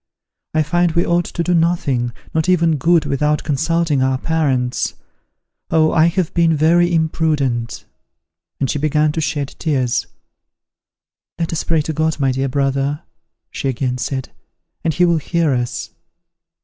I find we ought to do nothing, not even good, without consulting our parents. Oh, I have been very imprudent!" and she began to shed tears. "Let us pray to God, my dear brother," she again said, "and he will hear us."